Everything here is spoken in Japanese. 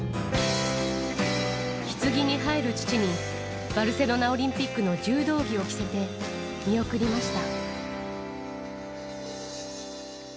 ひつぎに入る父に、バルセロナオリンピックの柔道着を着せて、見送りました。